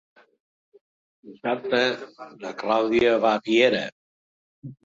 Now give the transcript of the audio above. Dissabte na Clàudia va a Piera.